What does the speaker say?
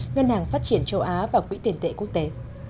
ngân hàng phát triển châu á và quỹ tiền tệ quốc tế